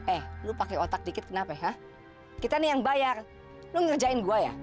eh lu pakai otak dikit kenapa ya kita nih yang bayar lu ngerjain gue ya